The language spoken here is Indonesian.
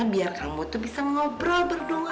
biar kamu tuh bisa ngobrol berdua